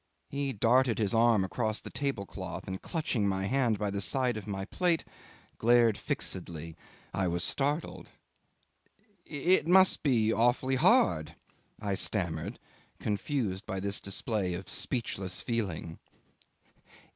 He darted his arm across the tablecloth, and clutching my hand by the side of my plate, glared fixedly. I was startled. "It must be awfully hard," I stammered, confused by this display of speechless feeling.